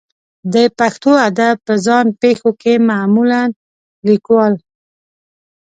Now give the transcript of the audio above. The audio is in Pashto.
د پښتو ادب په ځان پېښو کې معمولا لیکوال